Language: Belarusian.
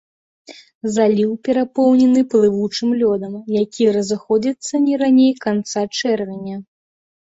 Заліў перапоўнены плывучым лёдам, які разыходзіцца не раней канца чэрвеня.